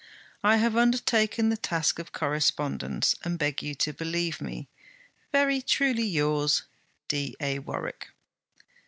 'I have undertaken the task of correspondence, and beg you to believe me, 'Very truly yours, 'D. A. WARWICK.'